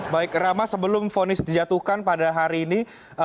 baik rama sebelum vonis dijatuhkan pada hari ini